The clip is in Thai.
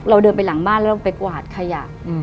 เราเดินไปหลังบ้านแล้วเราไปกวาดขยะ